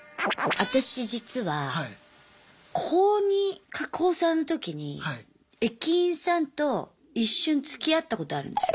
私実は高２か高３の時に駅員さんと一瞬つきあったことあるんですよ。